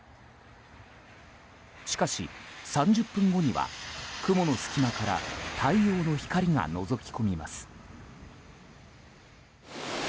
しかし、３０分後には雲の隙間から太陽の光がのぞき込みます。